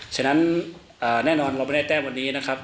ฉะนั้นแน่นอนเราไม่ได้แต้มวันนี้นะครับ